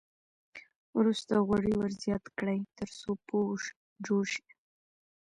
وروسته غوړي ور زیات کړئ تر څو پوښ جوړ شي.